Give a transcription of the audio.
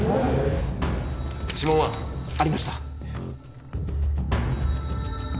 指紋は？ありました。